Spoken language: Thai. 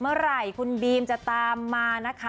เมื่อไหร่คุณบีมจะตามมานะคะ